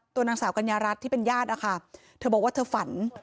นางสาวกัญญารัฐที่เป็นญาตินะคะเธอบอกว่าเธอฝัน